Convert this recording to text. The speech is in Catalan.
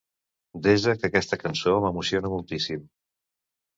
Desa que aquesta cançó m'emociona moltíssim.